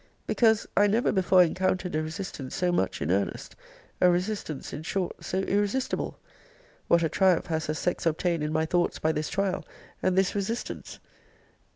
because, I never before encountered a resistance so much in earnest: a resistance, in short, so irresistible. What a triumph has her sex obtained in my thoughts by this trial, and this resistance?